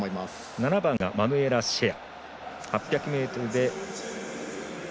７番がマヌエラ・シェア。